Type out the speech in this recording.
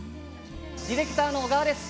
ディレクターの小河です。